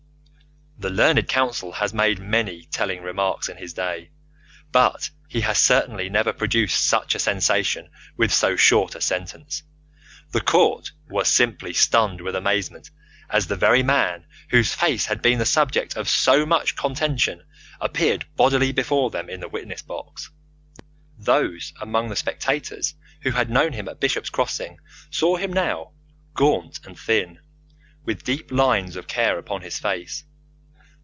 The learned counsel has made many telling remarks in his day, but he has certainly never produced such a sensation with so short a sentence. The court was simply stunned with amazement as the very man whose fate had been the subject of so much contention appeared bodily before them in the witness box. Those among the spectators who had known him at Bishop's Crossing saw him now, gaunt and thin, with deep lines of care upon his face.